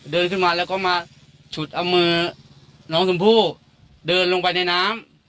เดินขึ้นมาแล้วก็มาฉุดเอามือน้องชมพู่เดินลงไปในน้ำ